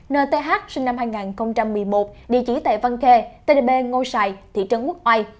nth sinh năm hai nghìn một mươi một địa chỉ tại văn khê tây đề bê ngô sơn thị trấn quốc ai